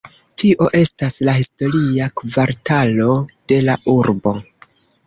Tio estas la historia kvartalo de la urbo.